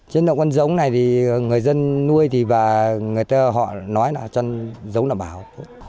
trên đó con giống này thì người dân nuôi và họ nói là con giống là bảo